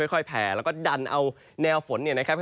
แผ่แล้วก็ดันเอาแนวฝนเนี่ยนะครับ